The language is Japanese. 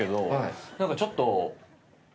何かちょっと。